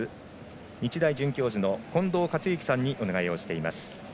日大准教授の近藤克之さんにお願いをしています。